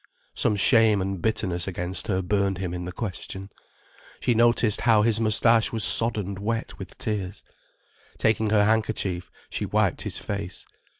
Some shame and bitterness against her burned him in the question. She noticed how his moustache was soddened wet with tears. Taking her handkerchief, she wiped his face.